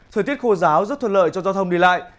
thời tiết khô giáo rất thuận lợi cho giao thông đi lại